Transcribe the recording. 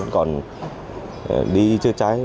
vẫn còn đi chưa cháy